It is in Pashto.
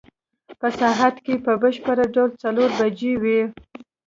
په ساعت کې په بشپړ ډول څلور بجې وې.